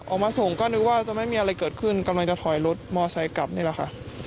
ออกมาส่งก็นึกว่าจะไม่มีอะไรเกิดขึ้นกำลังจะถอยรถมอไซค์กลับนี่แหละค่ะ